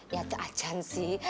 ya takacan sih